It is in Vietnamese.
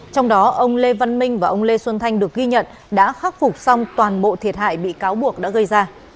trong đó ông lê văn minh và ông lê xuân thanh được ghi nhận đã khắc phục xong toàn bộ thiệt hại bị cáo buộc đã gây ra